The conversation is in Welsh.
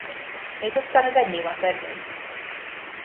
Nid oes gan y fenyw adenydd.